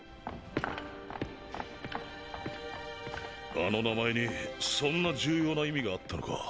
あの名前にそんな重要な意味があったのか。